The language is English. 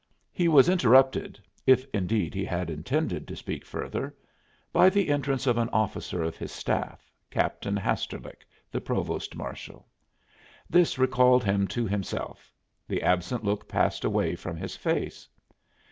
He was interrupted if, indeed, he had intended to speak further by the entrance of an officer of his staff, Captain Hasterlick, the provost marshal. This recalled him to himself; the absent look passed away from his face.